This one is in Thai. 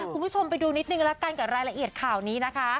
คุณผู้ชมไปดูนิดนึงละกันกับรายละเอียดข่าวนี้นะคะ